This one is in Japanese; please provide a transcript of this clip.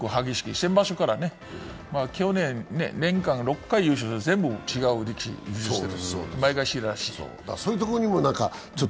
先場所からね、去年、年間６回全部違う力士が優勝してる。